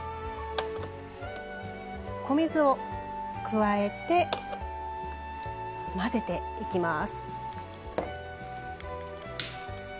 米酢を加えて混ぜていきます。